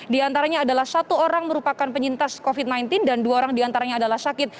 di antaranya adalah satu orang merupakan penyintas covid sembilan belas dan dua orang diantaranya adalah sakit